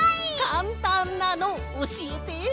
かんたんなのおしえて！